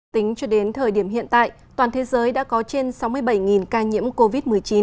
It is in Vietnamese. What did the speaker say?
tính cho đến thời điểm hiện tại toàn thế giới đã có trên sáu mươi bảy ca nhiễm covid một mươi chín